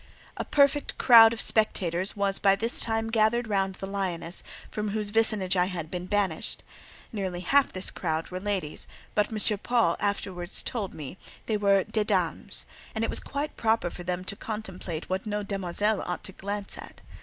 A perfect crowd of spectators was by this time gathered round the Lioness, from whose vicinage I had been banished; nearly half this crowd were ladies, but M. Paul afterwards told me, these were "des dames," and it was quite proper for them to contemplate what no "demoiselle" ought to glance at.